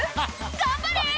頑張れ！